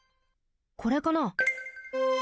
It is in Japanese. これかな？